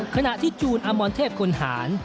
ขณะที่จูนอมรเทพคนหาร